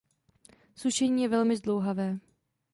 Sušení je velmi zdlouhavé.